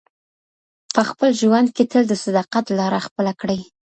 په خپل ژوند کې تل د صداقت لاره خپله کړئ.